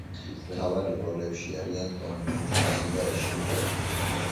მთავარ როლებში არიან ტომი ლი ჯონსი და ეშლი ჯადი.